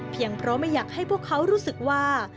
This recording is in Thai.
เพราะไม่อยากให้พวกเขารู้สึกว่า